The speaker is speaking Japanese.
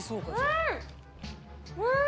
うん！